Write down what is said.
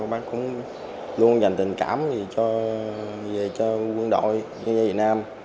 bác cũng luôn dành tình cảm về cho quân đội cho dân dân việt nam